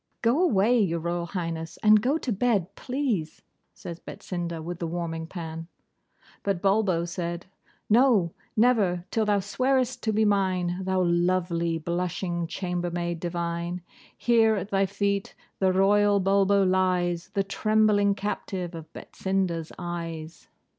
'Go away, Your Royal Highness, and go to bed, please,' said Betsinda, with the warming pan. But Bulbo said, 'No, never, till thou swearest to be mine, thou lovely, blushing chambermaid divine! Here, at thy feet, the Royal Bulbo lies, the trembling captive of Betsinda's eyes.